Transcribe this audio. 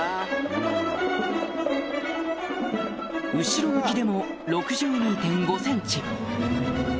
後ろ向きでも ６２．５ｃｍ